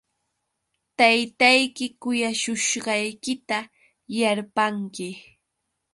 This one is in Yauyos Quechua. Taytayki kuyashushqaykita yarpanki.